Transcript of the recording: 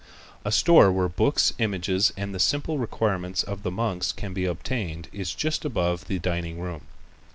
A store where books, images and the simple requirements of the monks can be obtained is just above the dining room.